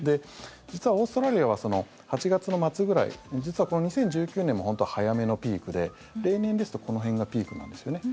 実は、オーストラリアは８月の末ぐらい実は、この２０１９年も本当は早めのピークで例年ですとこの辺がピークなんですよね。